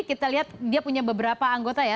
kita lihat dia punya beberapa anggota ya